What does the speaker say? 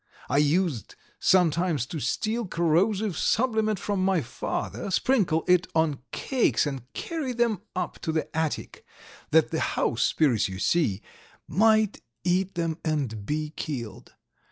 I used sometimes to steal corrosive sublimate from my father, sprinkle it on cakes, and carry them up to the attic that the house spirits, you see, might eat them and be killed.